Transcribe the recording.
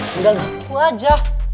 tinggal di wajah